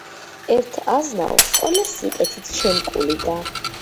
ერთ აზნაურს, ყველა სიკეთით შემკული და